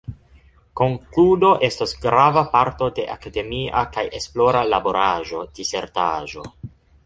Konkludo estas grava parto de akademia kaj esplora laboraĵo, disertaĵo.